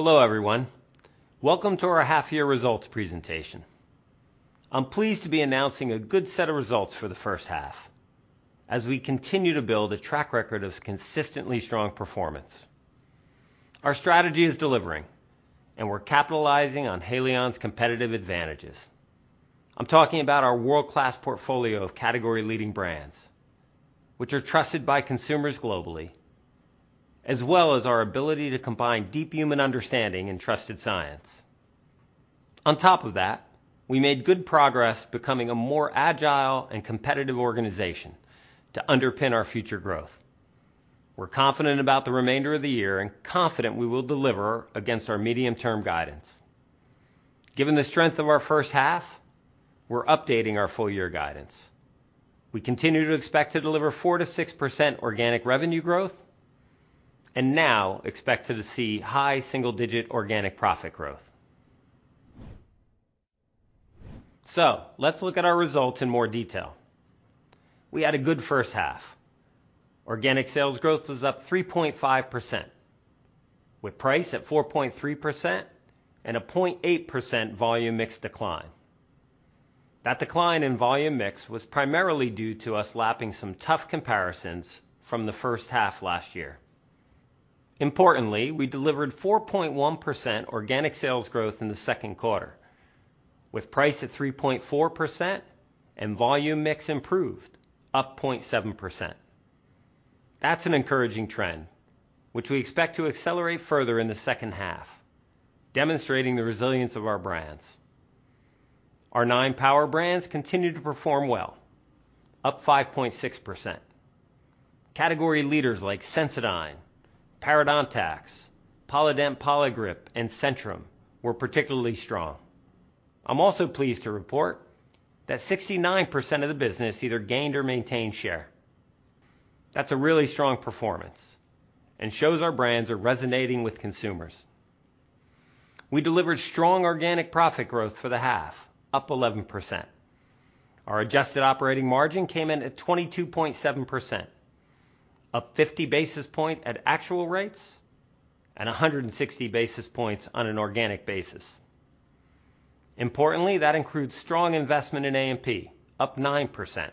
Hello everyone. Welcome to our half-year results presentation. I'm pleased to be announcing a good set of results for the first half, as we continue to build a track record of consistently strong performance. Our strategy is delivering, and we're capitalizing on Haleon's competitive advantages. I'm talking about our world-class portfolio of category-leading brands, which are trusted by consumers globally, as well as our ability to combine deep human understanding and trusted science. On top of that, we made good progress, becoming a more agile and competitive organization to underpin our future growth. We're confident about the remainder of the year and confident we will deliver against our medium-term guidance. Given the strength of our first half, we're updating our full-year guidance. We continue to expect to deliver 4-6% organic revenue growth and now expect to see high single-digit organic profit growth. Let's look at our results in more detail. We had a good first half. Organic sales growth was up 3.5%, with price at 4.3% and a 0.8% volume mix decline. That decline in volume mix was primarily due to us lapping some tough comparisons from the first half last year. Importantly, we delivered 4.1% organic sales growth in the second quarter, with price at 3.4% and volume mix improved, up 0.7%. That's an encouraging trend, which we expect to accelerate further in the second half, demonstrating the resilience of our brands. Our nine power brands continue to perform well, up 5.6%. Category leaders like Sensodyne, Parodontax, Polident, Poligrip, and Centrum were particularly strong. I'm also pleased to report that 69% of the business either gained or maintained share. That's a really strong performance and shows our brands are resonating with consumers. We delivered strong organic profit growth for the half, up 11%. Our adjusted operating margin came in at 22.7%, up 50 basis points at actual rates and 160 basis points on an organic basis. Importantly, that includes strong investment in A&P, up 9%.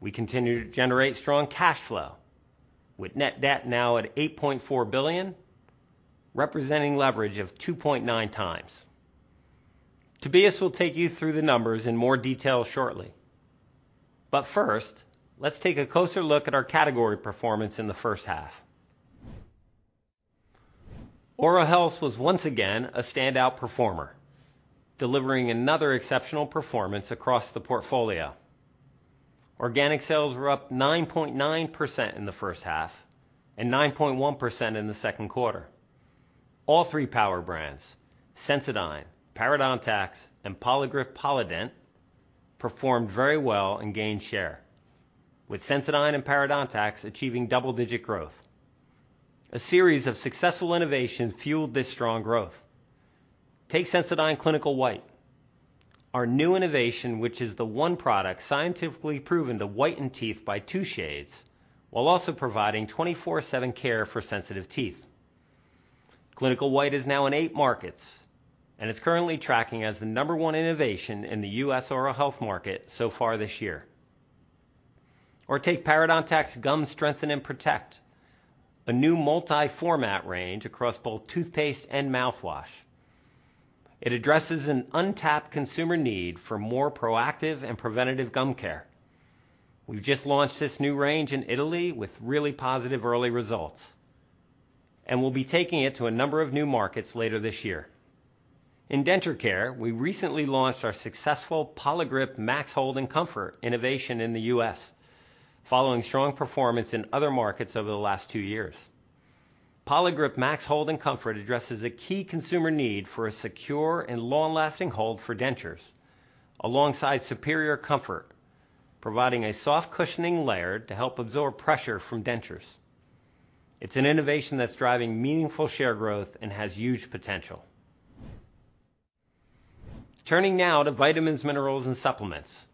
We continue to generate strong cash flow, with net debt now at 8.4 billion, representing leverage of 2.9x. Tobias will take you through the numbers in more detail shortly. But first, let's take a closer look at our category performance in the first half. Oral Health was once again a standout performer, delivering another exceptional performance across the portfolio. Organic sales were up 9.9% in the first half and 9.1% in the second quarter. All three power brands, Sensodyne, Parodontax, and Poligrip Polident, performed very well and gained share, with Sensodyne and Parodontax achieving double-digit growth. A series of successful innovations fueled this strong growth. Take Sensodyne Clinical White, our new innovation, which is the one product scientifically proven to whiten teeth by two shades while also providing 24/7 care for sensitive teeth. Clinical White is now in eight markets and is currently tracking as the number one innovation in the U.S. oral health market so far this year. Or take Parodontax Gum Strengthen and Protect, a new multi-format range across both toothpaste and mouthwash. It addresses an untapped consumer need for more proactive and preventative gum care. We've just launched this new range in Italy with really positive early results, and we'll be taking it to a number of new markets later this year. In denture care, we recently launched our successful Poligrip Max Hold and Comfort innovation in the U.S., following strong performance in other markets over the last two years. Poligrip Max Hold and Comfort addresses a key consumer need for a secure and long-lasting hold for dentures, alongside superior comfort, providing a soft cushioning layer to help absorb pressure from dentures. It's an innovation that's driving meaningful share growth and has huge potential. Turning now to Vitamins, Minerals, and Supplements,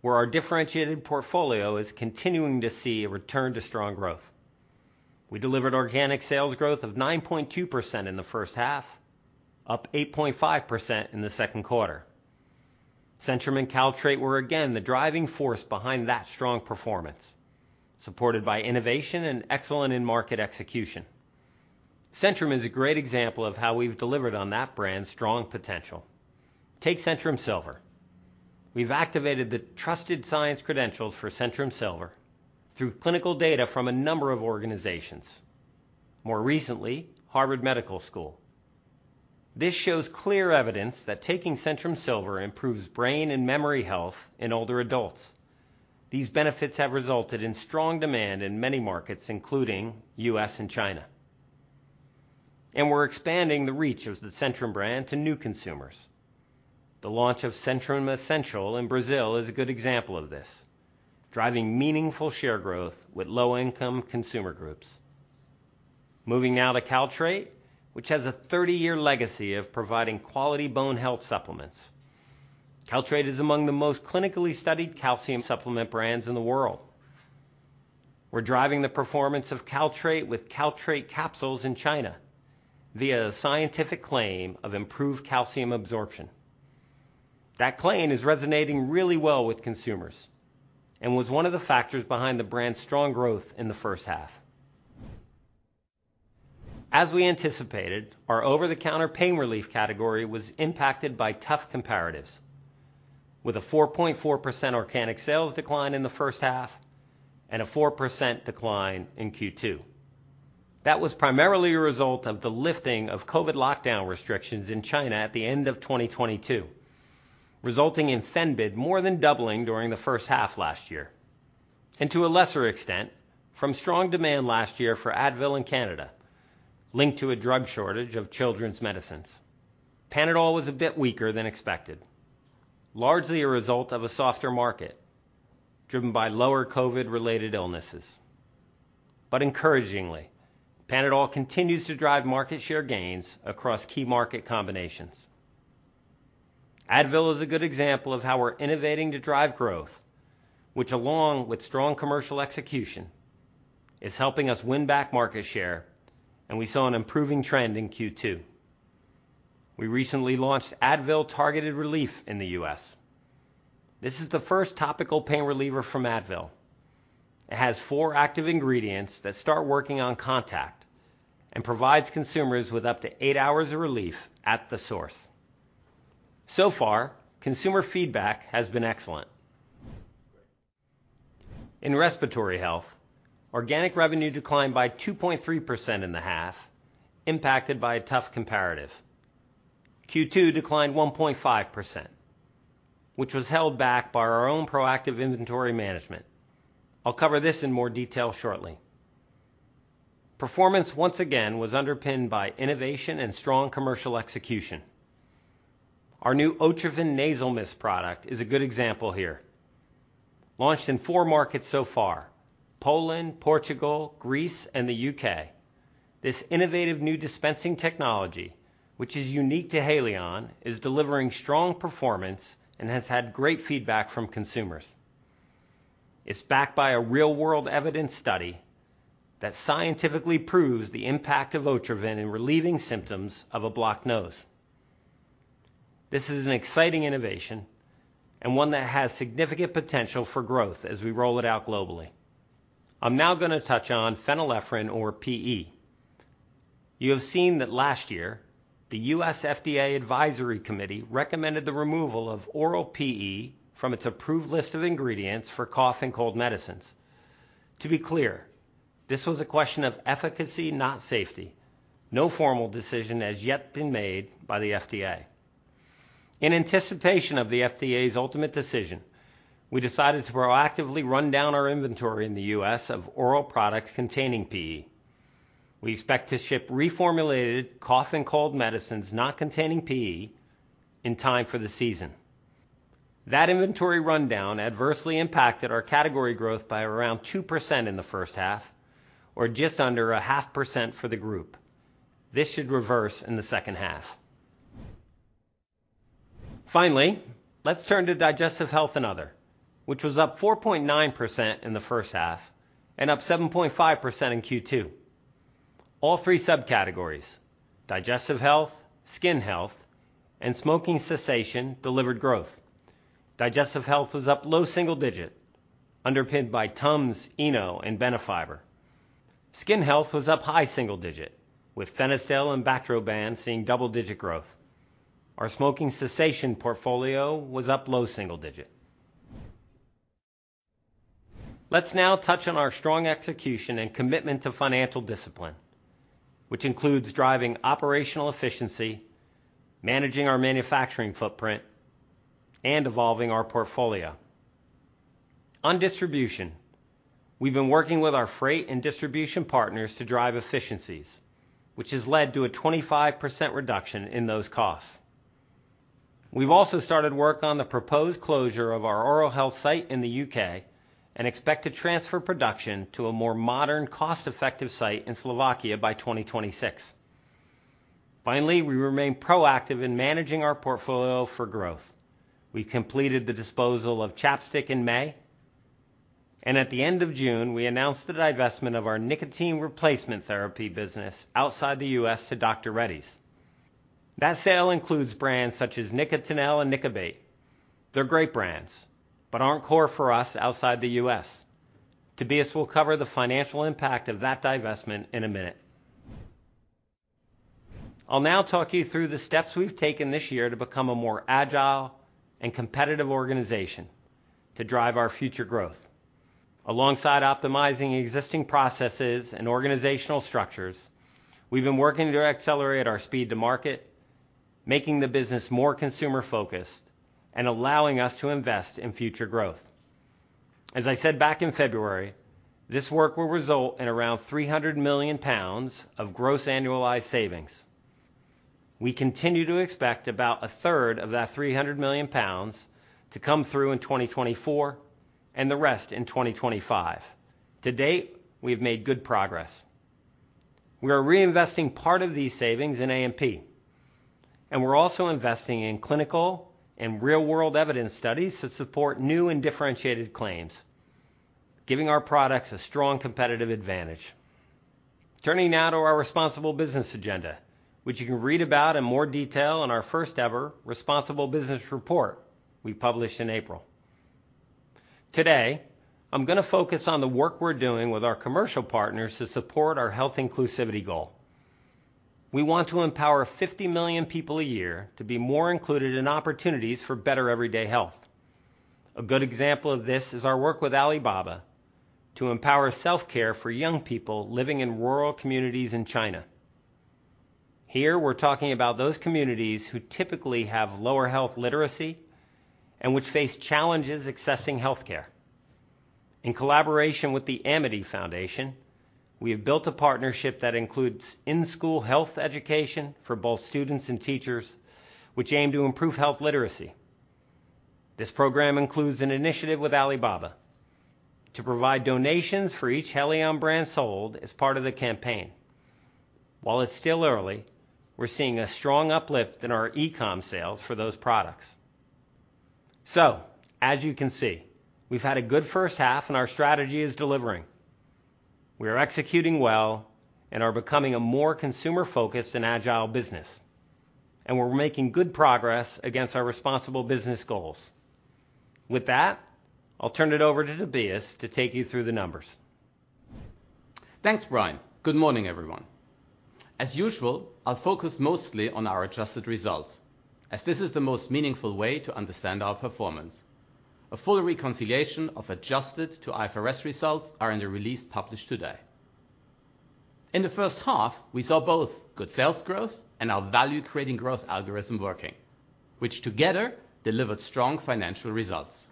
where our differentiated portfolio is continuing to see a return to strong growth. We delivered organic sales growth of 9.2% in the first half, up 8.5% in the second quarter. Centrum and Caltrate were again the driving force behind that strong performance, supported by innovation and excellent in-market execution. Centrum is a great example of how we've delivered on that brand's strong potential. Take Centrum Silver. We've activated the trusted science credentials for Centrum Silver through clinical data from a number of organizations, more recently Harvard Medical School. This shows clear evidence that taking Centrum Silver improves brain and memory health in older adults. These benefits have resulted in strong demand in many markets, including the U.S. and China. And we're expanding the reach of the Centrum brand to new consumers. The launch of Centrum Essentials in Brazil is a good example of this, driving meaningful share growth with low-income consumer groups. Moving now to Caltrate, which has a 30-year legacy of providing quality bone health supplements. Caltrate is among the most clinically studied calcium supplement brands in the world. We're driving the performance of Caltrate with Caltrate Capsules in China via a scientific claim of improved calcium absorption. That claim is resonating really well with consumers and was one of the factors behind the brand's strong growth in the first half. As we anticipated, our over-the-counter Pain Relief category was impacted by tough comparatives, with a 4.4% organic sales decline in the first half and a 4% decline in Q2. That was primarily a result of the lifting of COVID lockdown restrictions in China at the end of 2022, resulting in Fenbid more than doubling during the first half last year, and to a lesser extent, from strong demand last year for Advil in Canada, linked to a drug shortage of children's medicines. Panadol was a bit weaker than expected, largely a result of a softer market driven by lower COVID-related illnesses, but encouragingly, Panadol continues to drive market share gains across key market combinations. Advil is a good example of how we're innovating to drive growth, which, along with strong commercial execution, is helping us win back market share, and we saw an improving trend in Q2. We recently launched Advil Targeted Relief in the U.S. This is the first topical pain reliever from Advil. It has four active ingredients that start working on contact and provides consumers with up to eight hours of relief at the source. So far, consumer feedback has been excellent. In Respiratory Health, organic revenue declined by 2.3% in the half, impacted by a tough comparative. Q2 declined 1.5%, which was held back by our own proactive inventory management. I'll cover this in more detail shortly. Performance, once again, was underpinned by innovation and strong commercial execution. Our new Otrivin Nasal Mist product is a good example here. Launched in four markets so far: Poland, Portugal, Greece, and the U.K. This innovative new dispensing technology, which is unique to Haleon, is delivering strong performance and has had great feedback from consumers. It's backed by a real-world evidence study that scientifically proves the impact of Otrivin in relieving symptoms of a blocked nose. This is an exciting innovation and one that has significant potential for growth as we roll it out globally. I'm now going to touch on phenylephrine, or PE. You have seen that last year, the U.S. FDA Advisory Committee recommended the removal of oral PE from its approved list of ingredients for cough and cold medicines. To be clear, this was a question of efficacy, not safety. No formal decision has yet been made by the FDA. In anticipation of the FDA's ultimate decision, we decided to proactively run down our inventory in the U.S. of oral products containing PE. We expect to ship reformulated cough and cold medicines not containing PE in time for the season. That inventory rundown adversely impacted our category growth by around 2% in the first half, or just under 0.5% for the group. This should reverse in the second half. Finally, let's turn to Digestive Health and Other, which was up 4.9% in the first half and up 7.5% in Q2. All three subcategories: digestive health, skin health, and smoking cessation delivered growth. Digestive health was up low single digit, underpinned by Tums, ENO, and Benefiber. Skin health was up high single digit, with Fenistil and Bactroban seeing double-digit growth. Our smoking cessation portfolio was up low single digit. Let's now touch on our strong execution and commitment to financial discipline, which includes driving operational efficiency, managing our manufacturing footprint, and evolving our portfolio. On distribution, we've been working with our freight and distribution partners to drive efficiencies, which has led to a 25% reduction in those costs. We've also started work on the proposed closure of our oral health site in the U.K. and expect to transfer production to a more modern, cost-effective site in Slovakia by 2026. Finally, we remain proactive in managing our portfolio for growth. We completed the disposal of ChapStick in May, and at the end of June, we announced the divestment of our nicotine replacement therapy business outside the U.S. to Dr. Reddy's. That sale includes brands such as Nicotinell and Nicabate. They're great brands, but aren't core for us outside the U.S. Tobias will cover the financial impact of that divestment in a minute. I'll now talk you through the steps we've taken this year to become a more agile and competitive organization to drive our future growth. Alongside optimizing existing processes and organizational structures, we've been working to accelerate our speed to market, making the business more consumer-focused, and allowing us to invest in future growth. As I said back in February, this work will result in around 300 million pounds of gross annualized savings. We continue to expect about a third of that 300 million pounds to come through in 2024 and the rest in 2025. To date, we've made good progress. We are reinvesting part of these savings in A&P, and we're also investing in clinical and real-world evidence studies to support new and differentiated claims, giving our products a strong competitive advantage. Turning now to our responsible business agenda, which you can read about in more detail in our first-ever responsible business report we published in April. Today, I'm going to focus on the work we're doing with our commercial partners to support our health inclusivity goal. We want to empower 50 million people a year to be more included in opportunities for better everyday health. A good example of this is our work with Alibaba to empower self-care for young people living in rural communities in China. Here, we're talking about those communities who typically have lower health literacy and which face challenges accessing health care. In collaboration with the Amity Foundation, we have built a partnership that includes in-school health education for both students and teachers, which aim to improve health literacy. This program includes an initiative with Alibaba to provide donations for each Haleon brand sold as part of the campaign. While it's still early, we're seeing a strong uplift in our e-comm sales for those products. As you can see, we've had a good first half, and our strategy is delivering. We are executing well and are becoming a more consumer-focused and agile business, and we're making good progress against our responsible business goals. With that, I'll turn it over to Tobias to take you through the numbers. Thanks, Brian. Good morning, everyone. As usual, I'll focus mostly on our adjusted results, as this is the most meaningful way to understand our performance. A full reconciliation of adjusted to IFRS results is in the release published today. In the first half, we saw both good sales growth and our value-creating growth algorithm working, which together delivered strong financial results.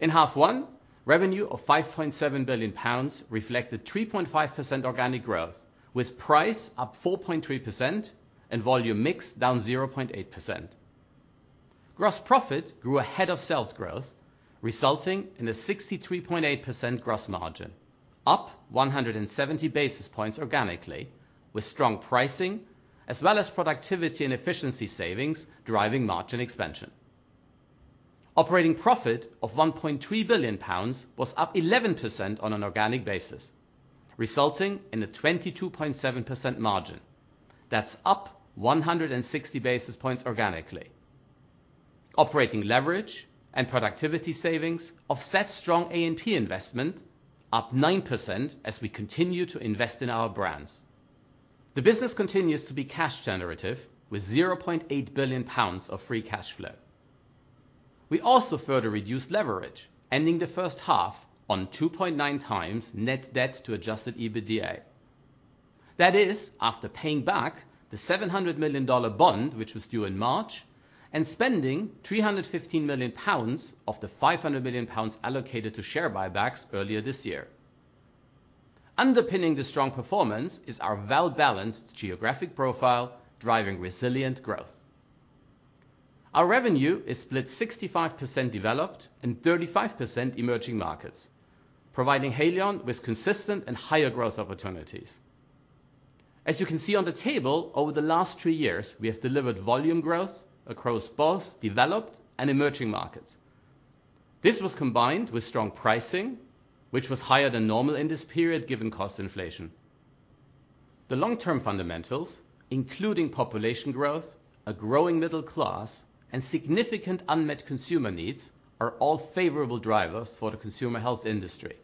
In half one, revenue of 5.7 billion pounds reflected 3.5% organic growth, with price up 4.3% and volume mix down 0.8%. Gross profit grew ahead of sales growth, resulting in a 63.8% gross margin, up 170 basis points organically, with strong pricing as well as productivity and efficiency savings driving margin expansion. Operating profit of 1.3 billion pounds was up 11% on an organic basis, resulting in a 22.7% margin. That's up 160 basis points organically. Operating leverage and productivity savings offset strong A&P investment, up 9% as we continue to invest in our brands. The business continues to be cash-generative, with 0.8 billion pounds of free cash flow. We also further reduced leverage, ending the first half on 2.9 times net debt to adjusted EBITDA. That is, after paying back the $700 million bond, which was due in March, and spending 315 million pounds off the 500 million pounds allocated to share buybacks earlier this year. Underpinning the strong performance is our well-balanced geographic profile, driving resilient growth. Our revenue is split 65% developed and 35% emerging markets, providing Haleon with consistent and higher growth opportunities. As you can see on the table, over the last three years, we have delivered volume growth across both developed and emerging markets. This was combined with strong pricing, which was higher than normal in this period, given cost inflation. The long-term fundamentals, including population growth, a growing middle class, and significant unmet consumer needs, are all favorable drivers for the consumer health industry.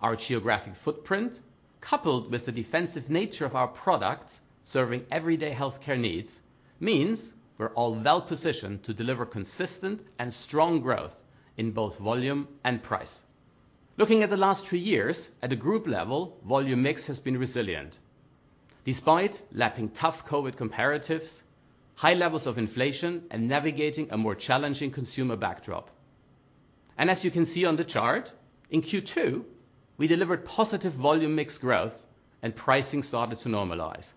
Our geographic footprint, coupled with the defensive nature of our products serving everyday health care needs, means we're all well-positioned to deliver consistent and strong growth in both volume and price. Looking at the last three years, at a group level, volume mix has been resilient, despite lapping tough COVID comparatives, high levels of inflation, and navigating a more challenging consumer backdrop. As you can see on the chart, in Q2, we delivered positive volume mix growth, and pricing started to normalize.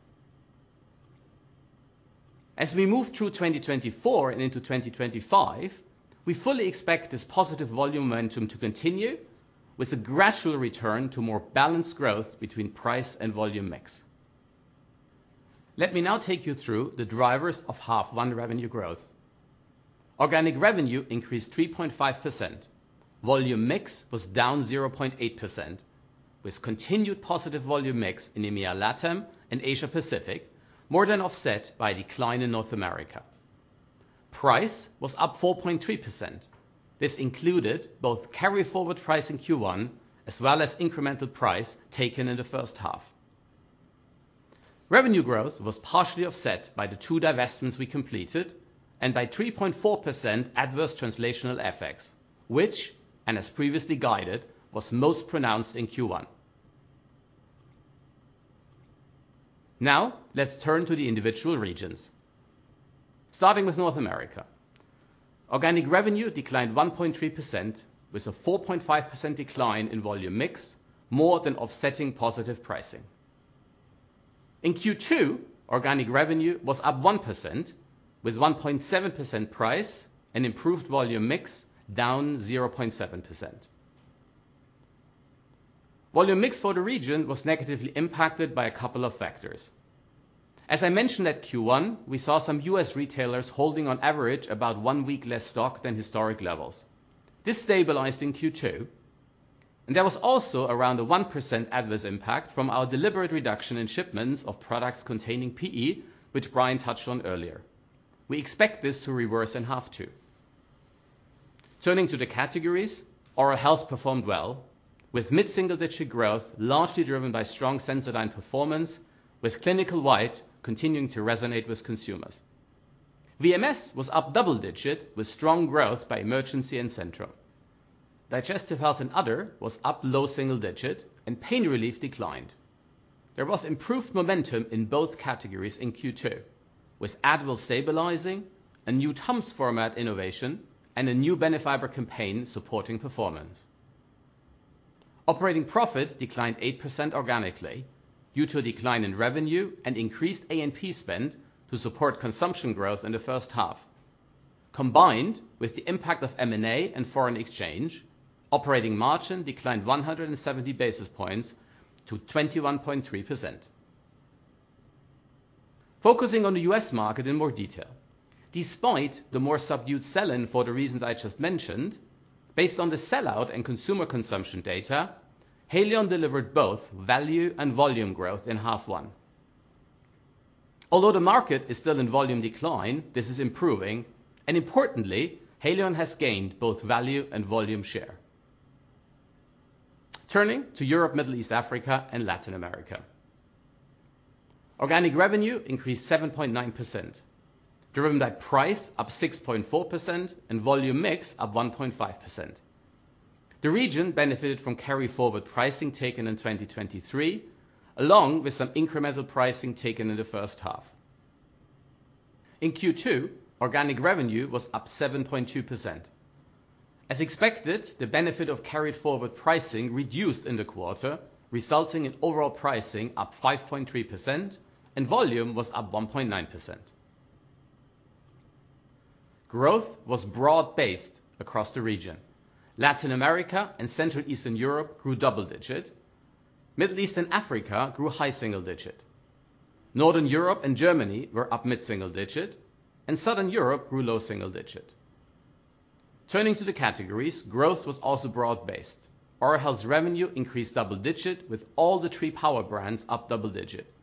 As we move through 2024 and into 2025, we fully expect this positive volume momentum to continue, with a gradual return to more balanced growth between price and volume mix. Let me now take you through the drivers of first half revenue growth. Organic revenue increased 3.5%. Volume mix was down 0.8%, with continued positive volume mix in EMEA, LATAM, and Asia Pacific, more than offset by a decline in North America. Price was up 4.3%. This included both carry-forward price in Q1 as well as incremental price taken in the first half. Revenue growth was partially offset by the two divestments we completed and by 3.4% adverse translational effects, which, as previously guided, was most pronounced in Q1. Now, let's turn to the individual regions, starting with North America. Organic revenue declined 1.3%, with a 4.5% decline in volume mix, more than offsetting positive pricing. In Q2, organic revenue was up 1%, with 1.7% price and improved volume mix down 0.7%. Volume mix for the region was negatively impacted by a couple of factors. As I mentioned at Q1, we saw some U.S. retailers holding, on average, about one week less stock than historic levels. This stabilized in Q2, and there was also around a 1% adverse impact from our deliberate reduction in shipments of products containing PE, which Brian touched on earlier. We expect this to reverse in half two. Turning to the categories, Oral Health performed well, with mid-single-digit growth largely driven by strong Sensodyne performance, with Clinical White continuing to resonate with consumers. VMS was up double-digit, with strong growth by Emergen-C and Centrum. Digestive Health and Other was up low single digit, and Pain Relief declined. There was improved momentum in both categories in Q2, with Advil stabilizing, a new Tums format innovation, and a new Benefiber campaign supporting performance. Operating profit declined 8% organically due to a decline in revenue and increased A&P spend to support consumption growth in the first half. Combined with the impact of M&A and foreign exchange, operating margin declined 170 basis points to 21.3%. Focusing on the U.S. market in more detail, despite the more subdued selling for the reasons I just mentioned, based on the sellout and consumer consumption data, Haleon delivered both value and volume growth in half one. Although the market is still in volume decline, this is improving, and importantly, Haleon has gained both value and volume share. Turning to Europe, Middle East, Africa, and Latin America, organic revenue increased 7.9%, driven by price up 6.4% and volume mix up 1.5%. The region benefited from carry-forward pricing taken in 2023, along with some incremental pricing taken in the first half. In Q2, organic revenue was up 7.2%. As expected, the benefit of carried forward pricing reduced in the quarter, resulting in overall pricing up 5.3%, and volume was up 1.9%. Growth was broad-based across the region. Latin America and Central and Eastern Europe grew double-digit. Middle East and Africa grew high single-digit. Northern Europe and Germany were up mid-single-digit, and Southern Europe grew low single-digit. Turning to the categories, growth was also broad-based. Oral Health's revenue increased double-digit, with all the three power brands up double-digit.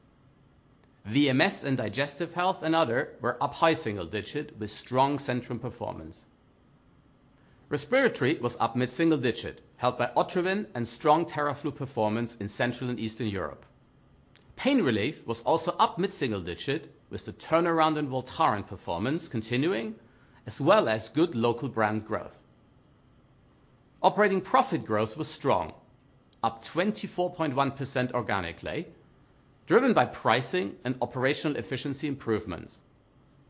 VMS and Digestive Health and Other were up high single-digit, with strong central performance. Respiratory was up mid-single digit, helped by Otrivin and strong Theraflu performance in Central and Eastern Europe. Pain Relief was also up mid-single digit, with the turnaround and Voltaren performance continuing, as well as good local brand growth. Operating profit growth was strong, up 24.1% organically, driven by pricing and operational efficiency improvements.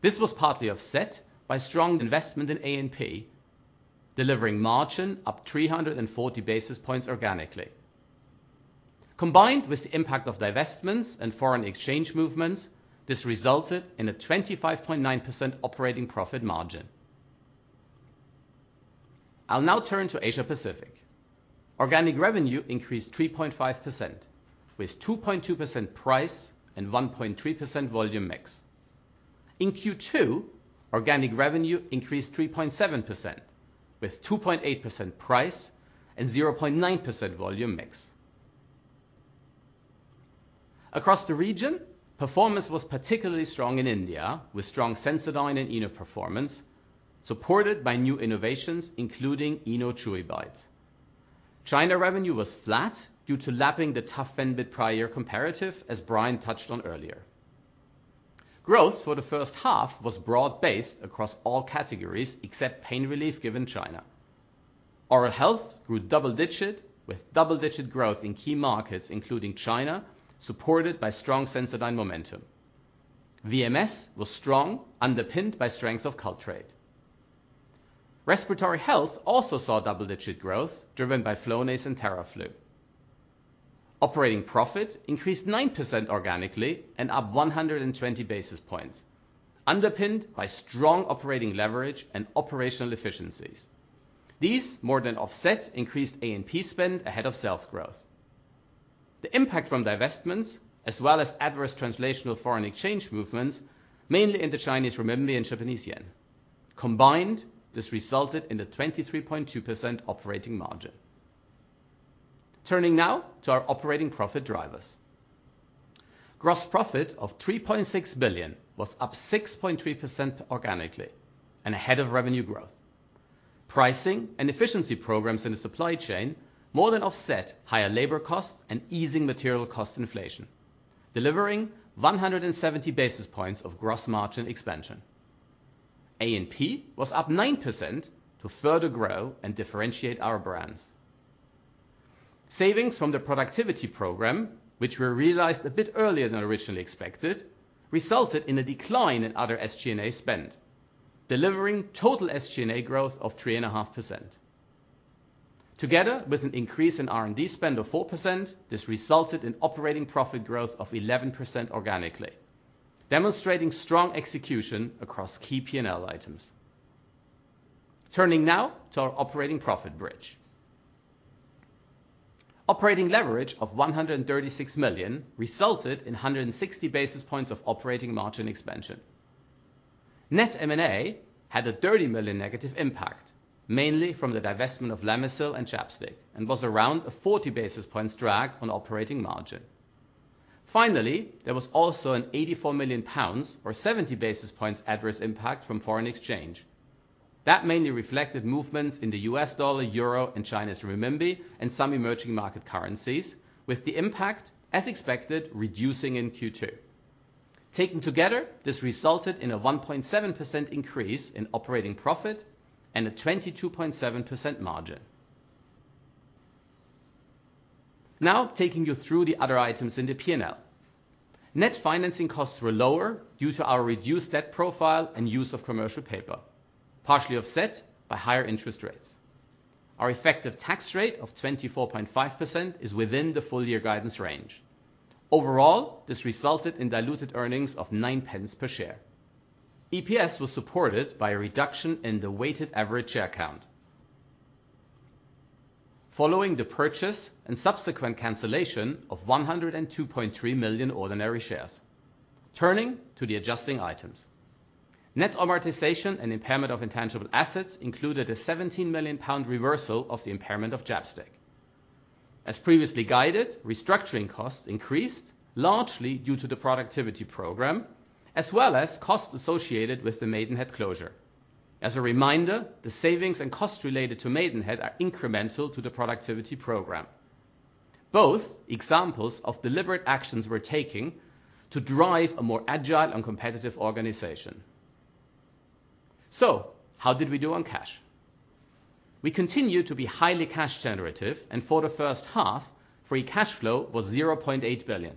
This was partly offset by strong investment in A&P, delivering margin up 340 basis points organically. Combined with the impact of divestments and foreign exchange movements, this resulted in a 25.9% operating profit margin. I'll now turn to Asia Pacific. Organic revenue increased 3.5%, with 2.2% price and 1.3% volume mix. In Q2, organic revenue increased 3.7%, with 2.8% price and 0.9% volume mix. Across the region, performance was particularly strong in India, with strong Sensodyne and ENO performance, supported by new innovations, including ENO Chewy Bites. China revenue was flat due to lapping the tough Fenbid prior year comparative, as Brian touched on earlier. Growth for the first half was broad-based across all categories except Pain Relief, given China. Oral Health grew double-digit, with double-digit growth in key markets, including China, supported by strong Sensodyne momentum. VMS was strong, underpinned by strength of Caltrate. Respiratory Health also saw double-digit growth, driven by Flonase and Theraflu. Operating profit increased 9% organically and up 120 basis points, underpinned by strong operating leverage and operational efficiencies. These more than offset increased A&P spend ahead of sales growth. The impact from divestments, as well as adverse translational foreign exchange movements, mainly in the Chinese renminbi and Japanese yen, combined, this resulted in a 23.2% operating margin. Turning now to our operating profit drivers. Gross profit of 3.6 billion was up 6.3% organically and ahead of revenue growth. Pricing and efficiency programs in the supply chain more than offset higher labor costs and easing material cost inflation, delivering 170 basis points of gross margin expansion. A&P was up 9% to further grow and differentiate our brands. Savings from the productivity program, which were realized a bit earlier than originally expected, resulted in a decline in other SG&A spend, delivering total SG&A growth of 3.5%. Together with an increase in R&D spend of 4%, this resulted in operating profit growth of 11% organically, demonstrating strong execution across key P&L items. Turning now to our operating profit bridge. Operating leverage of 136 million resulted in 160 basis points of operating margin expansion. Net M&A had a 30 million negative impact, mainly from the divestment of Lamisil and ChapStick, and was around a 40 basis points drag on operating margin. Finally, there was also a 84 million pounds or 70 basis points adverse impact from foreign exchange. That mainly reflected movements in the U.S. dollar, euro, and Chinese renminbi, and some emerging market currencies, with the impact, as expected, reducing in Q2. Taken together, this resulted in a 1.7% increase in operating profit and a 22.7% margin. Now, taking you through the other items in the P&L. Net financing costs were lower due to our reduced debt profile and use of commercial paper, partially offset by higher interest rates. Our effective tax rate of 24.5% is within the full-year guidance range. Overall, this resulted in diluted earnings of 9 pence per share. EPS was supported by a reduction in the weighted average share count following the purchase and subsequent cancellation of 102.3 million ordinary shares. Turning to the adjusting items. Net amortization and impairment of intangible assets included a 17 million pound reversal of the impairment of ChapStick. As previously guided, restructuring costs increased largely due to the productivity program, as well as costs associated with the Maidenhead closure. As a reminder, the savings and costs related to Maidenhead are incremental to the productivity program. Both examples of deliberate actions we're taking to drive a more agile and competitive organization. So, how did we do on cash? We continue to be highly cash generative, and for the first half, free cash flow was 0.8 billion.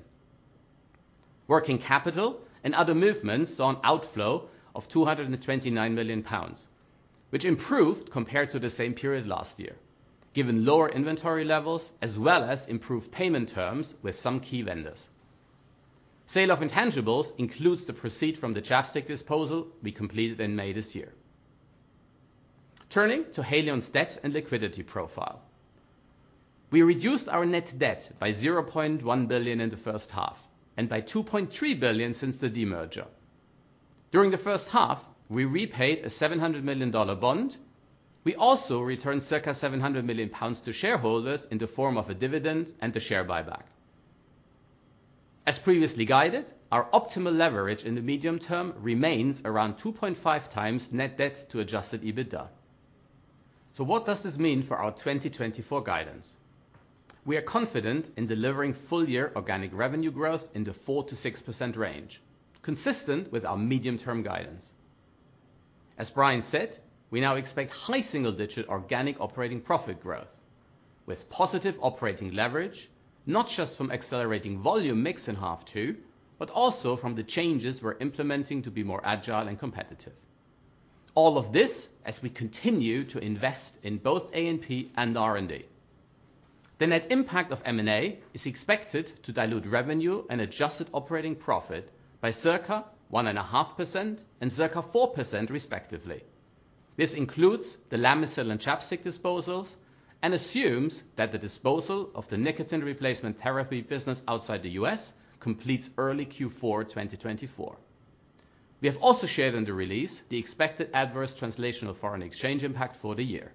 Working capital and other movements saw an outflow of 229 million pounds, which improved compared to the same period last year, given lower inventory levels, as well as improved payment terms with some key vendors. Sale of intangibles includes the proceeds from the ChapStick disposal we completed in May this year. Turning to Haleon's debt and liquidity profile. We reduced our net debt by 0.1 billion in the first half and by 2.3 billion since the demerger. During the first half, we repaid a $700 million bond. We also returned circa 700 million pounds to shareholders in the form of a dividend and a share buyback. As previously guided, our optimal leverage in the medium term remains around 2.5 times net debt to adjusted EBITDA. So, what does this mean for our 2024 guidance? We are confident in delivering full-year organic revenue growth in the 4%-6% range, consistent with our medium-term guidance. As Brian said, we now expect high single-digit organic operating profit growth, with positive operating leverage, not just from accelerating volume mix in half two, but also from the changes we're implementing to be more agile and competitive. All of this as we continue to invest in both A&P and R&D. The net impact of M&A is expected to dilute revenue and adjusted operating profit by circa 1.5% and circa 4%, respectively. This includes the Lamisil and ChapStick disposals and assumes that the disposal of the nicotine replacement therapy business outside the U.S. completes early Q4 2024. We have also shared in the release the expected adverse translational foreign exchange impact for the year.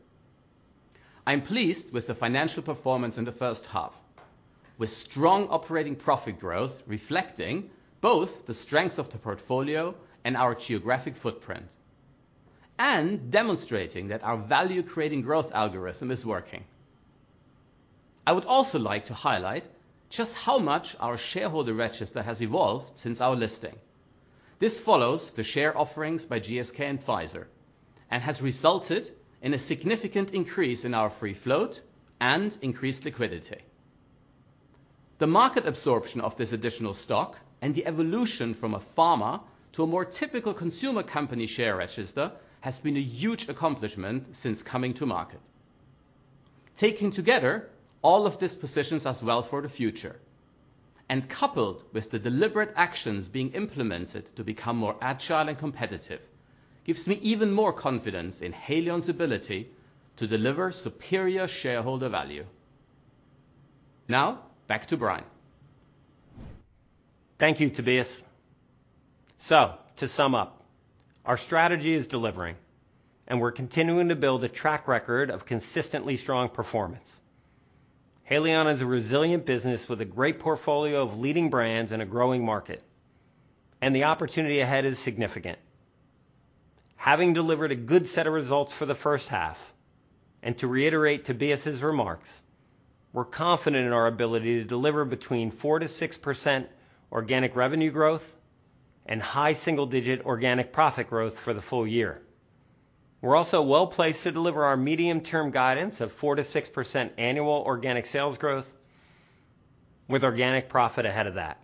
I'm pleased with the financial performance in the first half, with strong operating profit growth reflecting both the strength of the portfolio and our geographic footprint, and demonstrating that our value-creating growth algorithm is working. I would also like to highlight just how much our shareholder register has evolved since our listing. This follows the share offerings by GSK and Pfizer and has resulted in a significant increase in our free float and increased liquidity. The market absorption of this additional stock and the evolution from a pharma to a more typical consumer company share register has been a huge accomplishment since coming to market. Taking together all of these positions as well for the future, and coupled with the deliberate actions being implemented to become more agile and competitive, gives me even more confidence in Haleon's ability to deliver superior shareholder value. Now, back to Brian. Thank you, Tobias. So, to sum up, our strategy is delivering, and we're continuing to build a track record of consistently strong performance. Haleon is a resilient business with a great portfolio of leading brands and a growing market, and the opportunity ahead is significant. Having delivered a good set of results for the first half, and to reiterate Tobias' remarks, we're confident in our ability to deliver between 4%-6% organic revenue growth and high single-digit organic profit growth for the full year. We're also well placed to deliver our medium-term guidance of 4%-6% annual organic sales growth with organic profit ahead of that.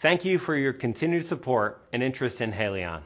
Thank you for your continued support and interest in Haleon.